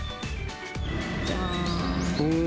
じゃーん。